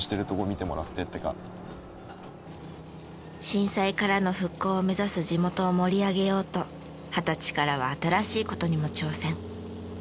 震災からの復興を目指す地元を盛り上げようと二十歳からは新しい事にも挑戦。